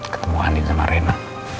ketemu andi sama rena